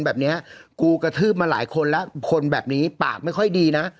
แบบนี้กูกระทืบมาหลายคนแล้วคนแบบนี้ปากไม่ค่อยดีนะ